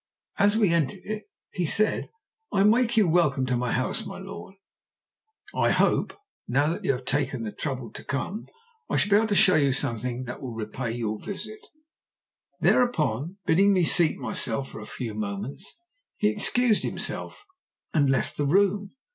As we entered it he said 'I make you welcome to my house, my lord. I hope, now that you have taken the trouble to come, I shall be able to show you something that will repay your visit.' Thereupon, bidding me seat myself for a few moments, he excused himself and left the room.